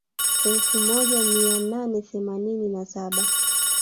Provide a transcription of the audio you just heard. Elfu moja mia nane themanini na saba